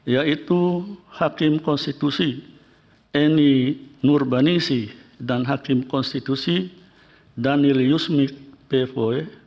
yaitu hakim konstitusi eni nurbanisi dan hakim konstitusi daniel yusmik pvo